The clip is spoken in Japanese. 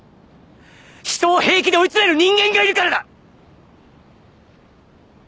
人を平気で追い詰める人間がいるからだ！